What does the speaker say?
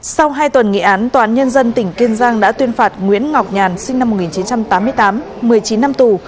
sau hai tuần nghị án tòa án nhân dân tỉnh kiên giang đã tuyên phạt nguyễn ngọc nhàn sinh năm một nghìn chín trăm tám mươi tám một mươi chín năm tù